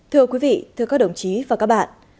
thưa quý vị thưa các đồng chí và các bạn